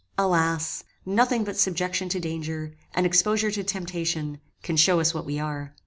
Alas! nothing but subjection to danger, and exposure to temptation, can show us what we are.